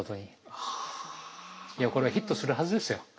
いやこれはヒットするはずですよ。